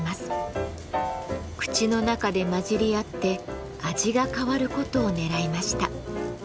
口の中で混じり合って味が変わることをねらいました。